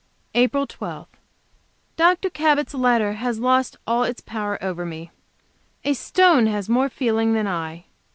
APRIL 12. Dr. Cabot's letter has lost all its power over me. A stone has more feeling than I.